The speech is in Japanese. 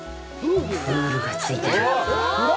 プールがついてる。